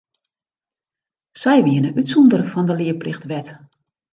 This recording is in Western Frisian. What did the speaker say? Sy wienen útsûndere fan de learplichtwet.